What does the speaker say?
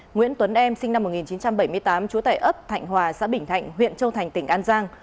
nguyễn tuấn em sinh năm một nghìn chín trăm bảy mươi tám trú tại ấp thạnh hòa xã bình thạnh huyện châu thành tỉnh an giang